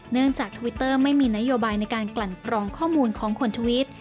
จากทวิตเตอร์ไม่มีนโยบายในการกลั่นกรองข้อมูลของคนทวิต